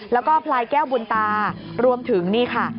แล้วก็พลายแก้วบุญตารวมถึงนี่ค่ะ